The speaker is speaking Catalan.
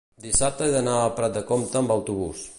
dissabte he d'anar a Prat de Comte amb autobús.